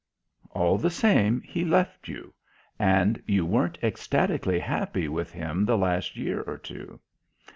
"All the same he left you. And you weren't ecstatically happy with him the last year or two."